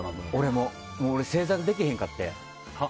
正座できへんかってん。